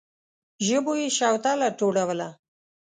ژبو يې شوتله ټولوله.